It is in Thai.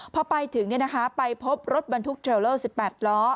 พอไปถึงเนี่ยนะคะไปพบรถบรรทุกเจลเลอร์สิบแปดล้อ